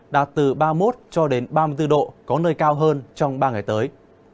đạt từ ba mươi một ba mươi bốn độ có nơi cao hơn trong ba ngày tới